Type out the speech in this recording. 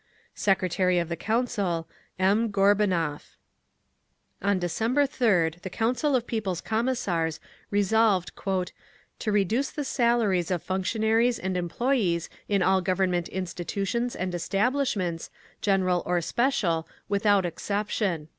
Secretary of the Council, N. GORBUNOV. On December 3d the Council of People's Commissars resolved "to reduce the salaries of functionaries and employees in all Government institutions and establishments, general or special, without exception."